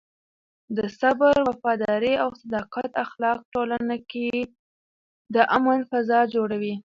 د صبر، وفادارۍ او صداقت اخلاق ټولنه کې د امن فضا جوړوي.